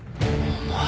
お前。